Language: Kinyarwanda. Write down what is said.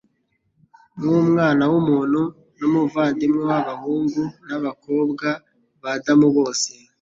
Nk'Umwana w'umuntu ni umuvandimwe w'abahungu n'abakobwa ba Adamu bose.